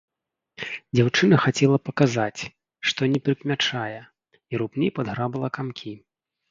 Дзяўчына хацела паказаць, што не прыкмячае, і рупней падграбала камкі.